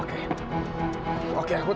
aku aku benar benar sakit